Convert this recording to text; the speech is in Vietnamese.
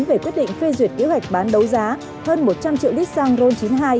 về quyết định phê duyệt kế hoạch bán đấu giá hơn một trăm linh triệu lít xăng ron chín mươi hai